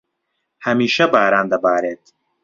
هەمیشە باران دەبارێت.